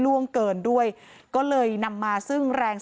เพราะทนายอันนันชายเดชาบอกว่าจะเป็นการเอาคืนยังไง